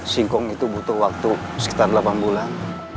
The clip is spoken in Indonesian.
singkong itu butuh waktu sekitar delapan bulan